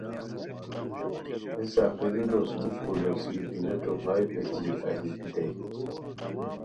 ہیس آخری لوسنوکو لوسی پلیٹو پھائے پیڅھی ایہہ روپھیتائے